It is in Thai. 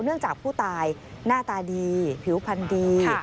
เนื่องจากผู้ตายหน้าตาดีผิวพันธุ์ดี